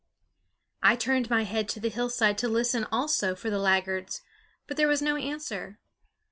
I turned my head to the hillside to listen also for the laggards; but there was no answer.